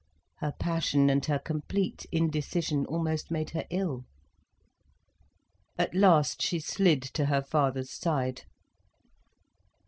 Her passion and her complete indecision almost made her ill. At last she slid to her father's side.